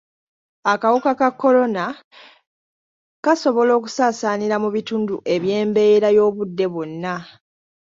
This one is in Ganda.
Akawuka ka Kolona kasobola okusaasaanira mu bitundu eby’embeera y’obudde bwonna.